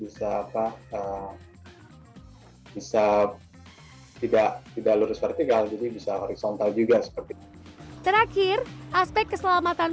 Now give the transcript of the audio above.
bisa tidak tidak lurus vertikal jadi bisa horizontal juga seperti terakhir aspek keselamatan